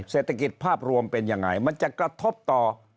เศรษฐกิจภาพรวมเป็นยังไงมันจะกระทบต่อ